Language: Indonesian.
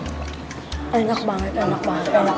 itu di sisi mimpi mimpin kita nih